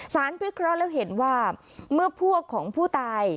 พิเคราะห์แล้วเห็นว่าเมื่อพวกของผู้ตาย